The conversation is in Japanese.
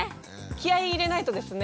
気合い入れないとですね。